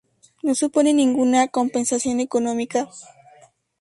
No supone ninguna compensación económica.